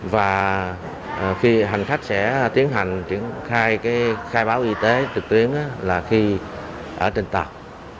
và khi hành khách sẽ tiến hành khai báo y tế trực tuyến là khi ở trên tạp